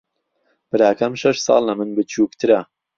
براکەم شەش ساڵ لە من بچووکترە.